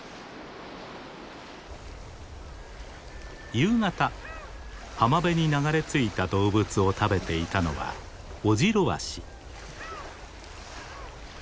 夕方浜辺に流れ着いた動物を食べていたのはオジロワシ。